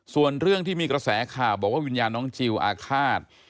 ส่วนเรื่องที่มีกระแสข่าวบอกว่าวิญญาณน้องจิลอาฆาต